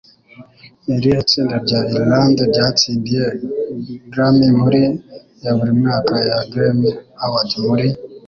Ni irihe tsinda rya Irlande ryatsindiye Grammy muri ya buri mwaka ya Grammy Awards muri